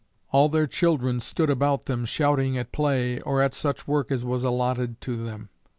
All their children stood about them, shouting at play or at such work as was allotted to them.